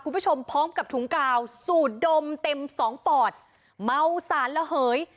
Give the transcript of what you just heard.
คุณผู้ชมพร้อมกับถุงกาวสูดดมเต็มสองปอดเมาสารระเหย